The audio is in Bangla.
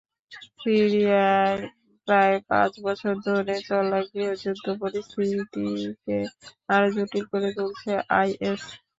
সিরিয়ায় প্রায় পাঁচ বছর ধরে চলা গৃহযুদ্ধ পরিস্থিতিকে আরও জটিল করে তুলেছে আইএস।